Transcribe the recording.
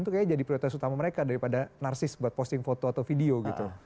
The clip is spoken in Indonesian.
itu kayaknya jadi prioritas utama mereka daripada narsis buat posting foto atau video gitu